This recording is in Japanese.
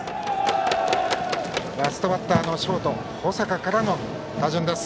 ラストバッターのショート、保坂からの打順。